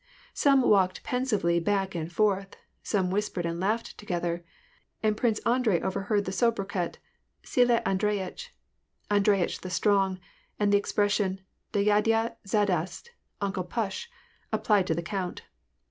Some walked pensively back and forth, some whispered and laughed together ; and Prince Andrei overheard the sobri quet " Sila Andreyitch "—" Andreyitch the Strong " and the expression Dyddya Zadast —" Uncle Push " applied to the * count.